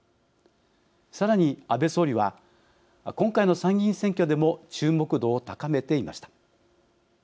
さらに、安倍総理は今回の参議院選挙でも注目度を高めていました。